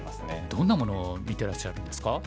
どんなものを見てらっしゃるんですか？